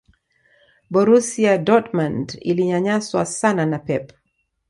borusia dortmund ilinyanyaswa sana na pep